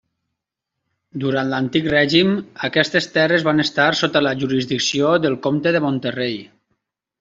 Durant l'Antic Règim aquestes terres van estar sota la jurisdicció del Comte de Monterrei.